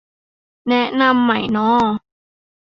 แนะนำไหมน้อ